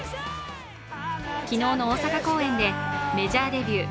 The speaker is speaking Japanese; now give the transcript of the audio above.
昨日の大阪公演でメジャーデビュー